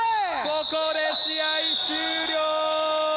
ここで試合終了！